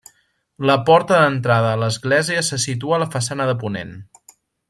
La porta d'entrada a l'església se situa a la façana de ponent.